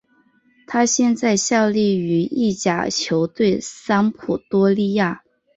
他现在效力于意甲球队桑普多利亚。